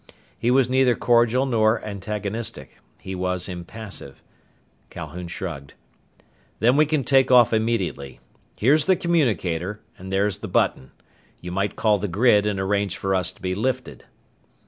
He was neither cordial nor antagonistic. He was impassive. Calhoun shrugged. "Then we can take off immediately. Here's the communicator and there's the button. You might call the grid and arrange for us to be lifted."